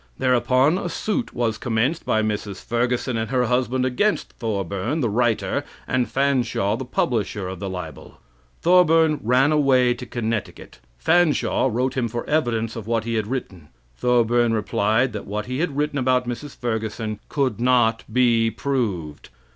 Thereupon a suit was commenced by Mrs. Ferguson and her husband against Thorburn, the writer, and Fanshaw, the publisher, of the libel. Thorburn ran away to Connecticut. Fanshaw wrote him for evidence of what he had written. Thorburn replied that what he had written about Mrs. Ferguson could not be proved.